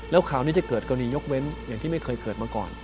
แล้วคราวนี้จะเกิดกรณียกเว้นอย่างที่ไม่เคยเกิดมาก่อน